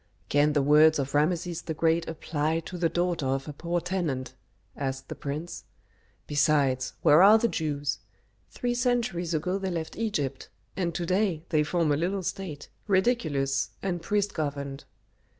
"Can the words of Rameses the Great apply to the daughter of a poor tenant?" asked the prince. "Besides, where are the Jews? Three centuries ago they left Egypt, and to day they form a little state, ridiculous and priest governed."